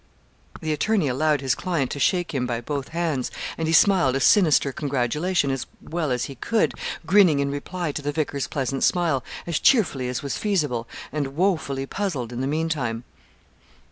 The attorney allowed his client to shake him by both hands, and he smiled a sinister congratulation as well as he could, grinning in reply to the vicar's pleasant smile as cheerfully as was feasible, and wofully puzzled in the meantime.